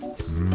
うん。